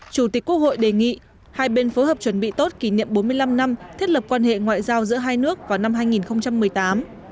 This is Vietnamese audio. chủ tịch quốc hội đề nghị hai bên phối hợp chuẩn bị tốt kỷ niệm bốn mươi năm năm thiết lập quan hệ ngoại giao giữa hai nước vào năm hai nghìn một mươi tám